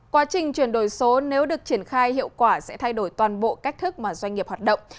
quá trình chuyển đổi số nếu được triển khai hiệu quả sẽ thay đổi toàn bộ cách thức mà doanh nghiệp hoạt động